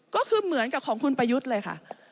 ก็คือเหมือนกับของคุณประยุทธ์เลยค่ะ